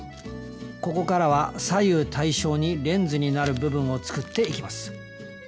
ここからは左右対称にレンズになる部分を作っていきます。